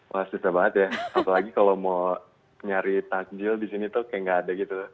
wah susah banget ya apalagi kalau mau nyari takjil di sini tuh kayak gak ada gitu